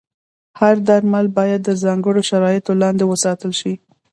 هر درمل باید د ځانګړو شرایطو لاندې وساتل شي.